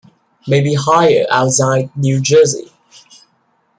May be higher outside New Jersey.